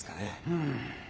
うん。